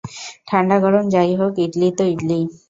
ঠান্ডা গরম যাই হোক ইডলি তো ইডলিই।